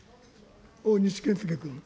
大西健介君。